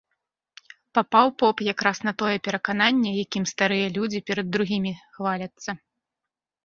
Папаў поп якраз на тое перакананне, якім старыя людзі перад другімі хваляцца.